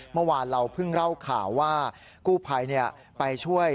เมื่อวานเราเพิ่งเล่าข่าวว่ากู้ภัยไปช่วย